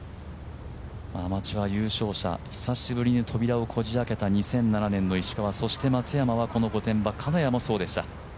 アマチュア優勝者久しぶりに扉をこじ開けた石川、そして松山はこの御殿場金谷もそうでした。